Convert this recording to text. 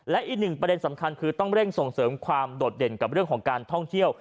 และอีกหนึ่งประเด็นสำคัญคือต้องเร่งส่งเสริมความโดดเด่นกับเรื่องของการท่องเที่ยว